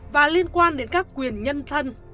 và liên quan đến các quyền nhân thân